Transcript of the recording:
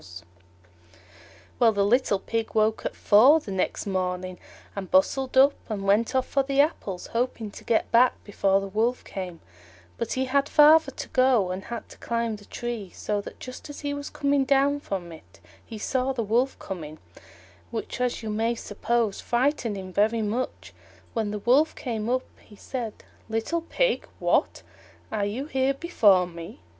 Well, the little Pig woke at four the next morning, and bustled up, and went off for the apples, hoping to get back before the Wolf came; but he had farther to go, and had to climb the tree, so that just as he was coming down from it, he saw the Wolf coming, which, as you may suppose, frightened him very much. When the Wolf came up he said, "Little Pig, what! are you here before me?